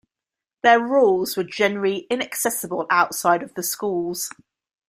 Their rules were generally inaccessible outside of the schools.